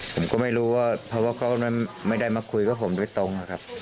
ผมก็ไม่รู้ว่าเพราะว่าเขาไม่ได้มาคุยกับผมโดยตรงนะครับ